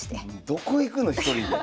どこ行くの１人で。